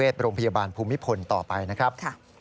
แล้วก็ลุกลามไปยังตัวผู้ตายจนถูกไฟคลอกนะครับ